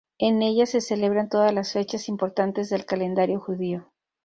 En ella se celebran todas las fechas importantes del calendario judío.